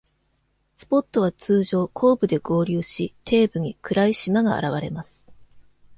スポットは通常、後部で合流し、底部に暗い縞が現れます。